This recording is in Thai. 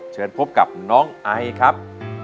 เชิญพบกับน้องไอครับ